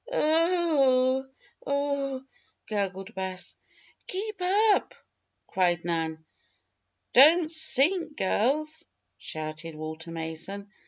"Oh! oh!" gurgled Bess. "Keep up!" cried Nan. "Don't sink, girls!" shouted Walter Mason.